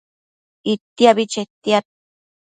Itiabi chetiad